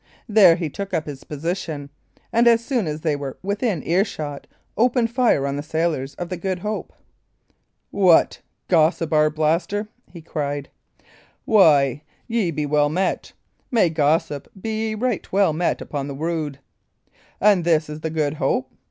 There he took up his position, and as soon as they were within earshot, opened fire on the sailors of the Good Hope. "What! Gossip Arblaster!" he cried. "Why, ye be well met; nay, gossip, ye be right well met, upon the rood! And is that the Good Hope?